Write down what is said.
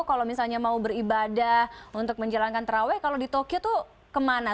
kalau misalnya mau beribadah untuk menjalankan terawih kalau di tokyo itu kemana